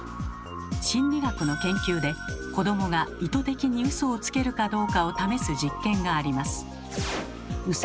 心理学の研究で子どもが意図的にウソをつけるかどうかを試す実験があります。